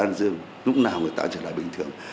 an dương lúc nào người ta trở lại bình thường